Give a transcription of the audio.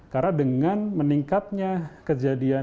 karena dengan meningkatnya kejadian ekstrim kita bisa menghadapi banyak hal